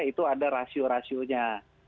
itu ada rasio rasionya